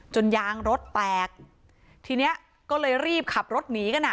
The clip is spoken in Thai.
ยางรถแตกทีเนี้ยก็เลยรีบขับรถหนีกันอ่ะ